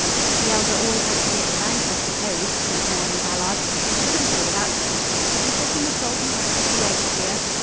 "The Elder always has to be at the bank, I suppose," said Mary Ballard, "and she wouldn't go without him. Did you put in the salt and pepper for the eggs, dear?"